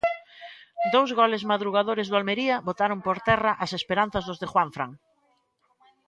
Dous goles madrugadores do Almería botaron por terra as esperanzas dos de Juanfran.